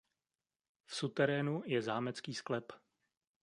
V suterénu je zámecký sklep.